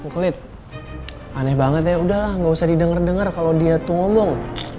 eh tumpu kelit aneh banget ya udah lah gausah didenger denger kalo dia tuh ngomong